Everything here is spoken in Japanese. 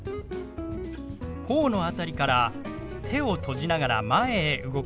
ほおの辺りから手を閉じながら前へ動かします。